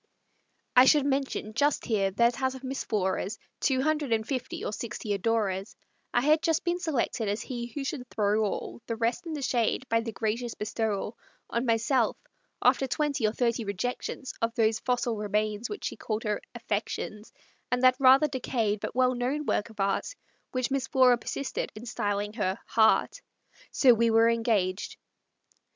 I should mention just here, that out of Miss Flora's Two hundred and fifty or sixty adorers, I had just been selected as he who should throw all The rest in the shade, by the gracious bestowal On myself, after twenty or thirty rejections, Of those fossil remains which she called her "affections," And that rather decayed but well known work of art Which Miss Flora persisted in styling her "heart." So we were engaged.